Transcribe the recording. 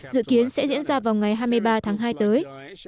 dự kiến sẽ diễn ra vào ngày hai mươi ba tháng hai tới